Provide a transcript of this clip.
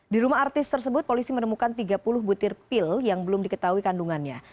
di rumah artis tersebut polisi menemukan tiga puluh butir pil yang belum diketahui kandungannya